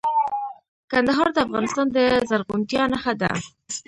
کندهار د افغانستان د زرغونتیا نښه ده.